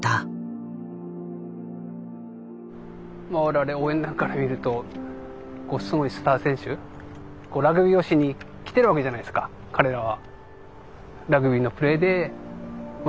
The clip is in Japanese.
我々応援団からみるとすごいスター選手ラグビーをしに来てるわけじゃないですか彼らは。